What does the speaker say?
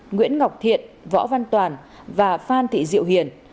nguyễn ngọc thiện võ văn toàn và phan thị diệu hiền